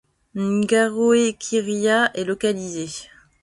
Ngaroe QiRia est localisé.